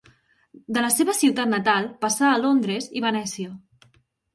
De la seva ciutat natal passà a Londres i Venècia.